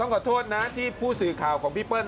ขอโทษนะที่ผู้สื่อข่าวของพี่เปิ้ล